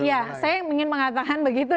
ya saya ingin mengatakan begitu